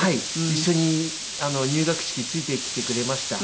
一緒に入学式ついてきてくれました。